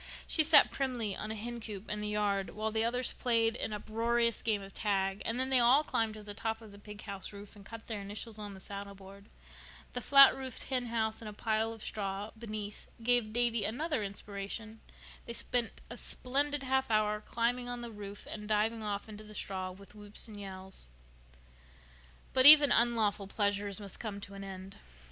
She sat primly on a hencoop in the yard while the others played an uproarious game of tag; and then they all climbed to the top of the pig house roof and cut their initials on the saddleboard. The flat roofed henhouse and a pile of straw beneath gave Davy another inspiration. They spent a splendid half hour climbing on the roof and diving off into the straw with whoops and yells. But even unlawful pleasures must come to an end.